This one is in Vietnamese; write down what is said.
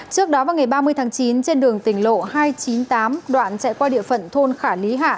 trước đó vào ngày ba mươi tháng chín trên đường tỉnh lộ hai trăm chín mươi tám đoạn chạy qua địa phận thôn khả lý hạ